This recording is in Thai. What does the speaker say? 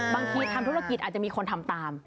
บางทีทำธุรกิจอาจจะมีคนทำตาม